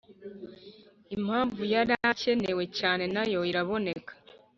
impamvu yari akenewe cyane nayo iraboneka.